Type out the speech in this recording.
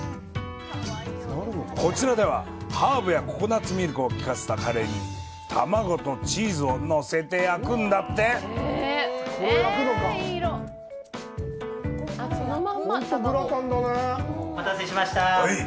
こちらでは、ハーブやココナッツミルクを効かせたカレーに卵とチーズをのせて焼くんだってお待たせしました。